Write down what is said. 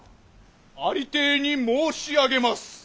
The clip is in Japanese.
ありていに申し上げます。